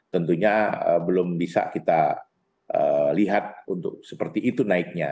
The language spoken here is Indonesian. tentunya belum bisa kita lihat untuk seperti itu naiknya